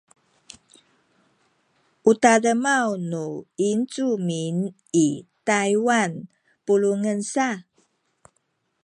u tademaw nu Yincumin i Taywan pulungen sa